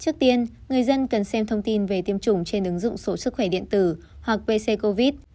trước tiên người dân cần xem thông tin về tiêm chủng trên ứng dụng sổ sức khỏe điện tử hoặc pc covid